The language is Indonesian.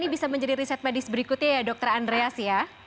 ini bisa menjadi riset medis berikutnya ya dokter andreas ya